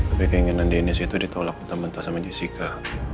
tapi keinginan denise itu ditolak sama jessica